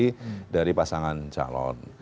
dan komposisi dari pasangan calon